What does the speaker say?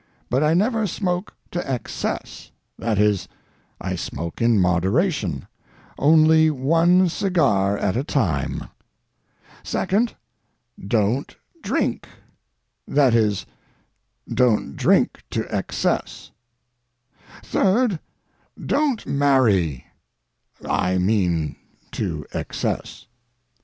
But I never smoke to excess—that is, I smoke in moderation, only one cigar at a time. Second, don't drink—that is, don't drink to excess. Third, don't marry—I mean, to excess.